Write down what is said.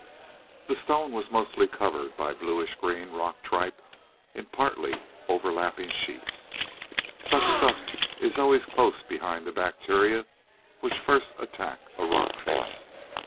The stone was mostly covered by bluish green rock tripe in partly overlapping sheets. Such stuff is always close behind the bacteria which first attack a rock face.